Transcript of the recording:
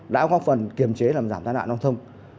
đã có phần kiềm chế làm giảm tai nạn đồng thông